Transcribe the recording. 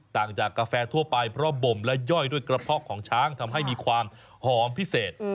ต่างจากกาแฟทั่วไปเพราะบ่มและย่อยด้วยกระเพาะของช้างทำให้มีความหอมพิเศษ